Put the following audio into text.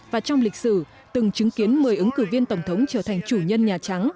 và trong lịch sử từng chứng kiến một mươi ứng cử viên tổng thống trở thành chủ nhân nhà trắng